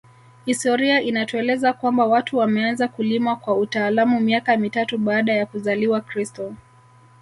Historia inatueleza kwamba watu wameanza kulima kwa utaalamu miaka mitatu baada ya kuzaliwa kristo